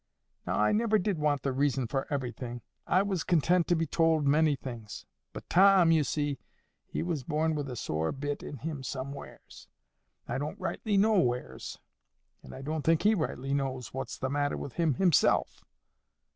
Now I never did want the reason for everything. I was content to be tould a many things. But Tom, you see, he was born with a sore bit in him somewheres, I don't rightly know wheres; and I don't think he rightly knows what's the matter with him himself."